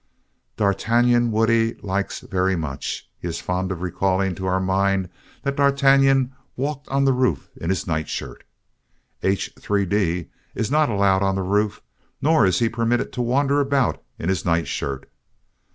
D'Artagnan Woodie likes very much. He is fond of recalling to our mind the fact that D'Artagnan "walked on the roof in his nightshirt." H. 3d is not allowed on the roof nor is he permitted to wander about in his nightshirt.